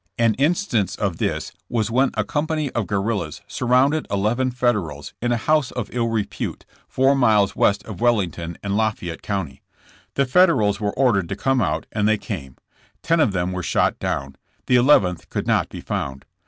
An instance of this was when a company of guerrillas surrounded eleven Federals in a house of ill repute four miles west of Wellington in Lafayette County. The Federals were ordered to come out and they came. Ten of them were shot down. The eleventh could not be found.